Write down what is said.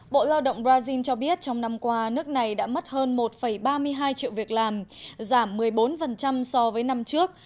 bộ lao động brazil cho biết trong năm qua nước này đã mất hơn một ba mươi hai triệu việc làm giảm một mươi bốn so với năm trước